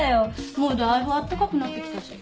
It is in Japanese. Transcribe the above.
もうだいぶあったかくなってきたし。